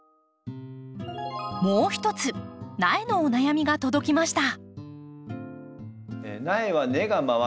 もう一つ苗のお悩みが届きました。